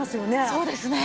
そうですね。